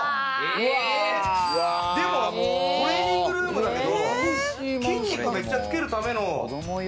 トレーニングルームだけど、筋肉めっちゃつけるための。